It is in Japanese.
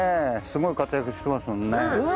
すごい活躍してますもんね。